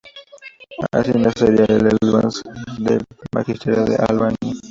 Así nacería en Elbasan el primer magisterio de Albania.